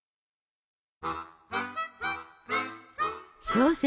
小説